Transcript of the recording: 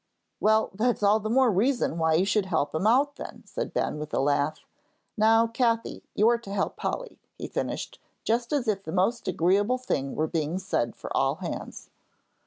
"Well, that's all the more reason why you should help him out then," said Ben, with a laugh. "Now, Cathie, you're to help Polly," he finished, just as if the most agreeable thing were being said for all hands.